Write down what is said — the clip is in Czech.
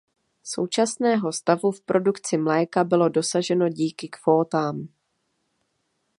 Současného stavu v produkci mléka bylo dosaženo díky kvótám.